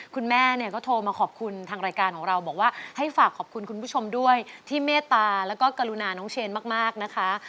คุณแม่เนี่ยก็โทรมาขอบคุณทางรายการของเราบอกว่าให้ฝากขอบคุณคุณผู้ชมด้วยที่เมตตาแล้วก็กรุณาน้องเชนมากนะคะ